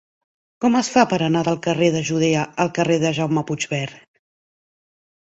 Com es fa per anar del carrer de Judea al carrer de Jaume Puigvert?